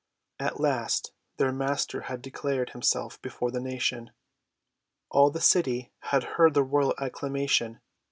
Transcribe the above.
At last their Master had declared himself before the nation. All the city had heard the royal acclamation.